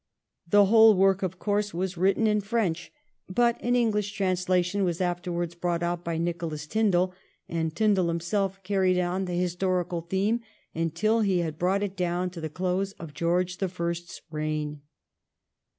The whole work of course was written in 160 THE REIGN OF QUEEN ANNE. oh. xxviii. French, but an English translation was afterwards brought out by Nicholas Tindal, and Tindal himself carried on the historical theme until he had brought it down to the close of George the First's reign.